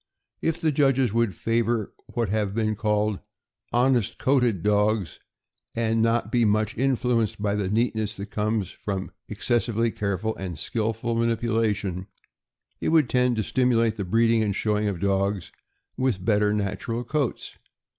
If the judges would favor what have been called "honest coated" dogs, and not be much influenced by the neatness that comes from excessively careful and skillful manipula tion, it would tend to stimulate the breeding and showing of dogs with better natural coats.